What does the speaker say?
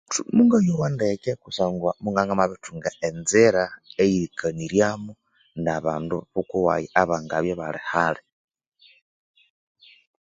Thu Mungayowa ndeke kusangwa mungabya ingamabirithunga enzira eyerikaniryamo nabandu bukuwayi abangabya ibali hali